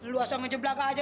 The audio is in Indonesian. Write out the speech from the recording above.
lo asal ngejeblaka aja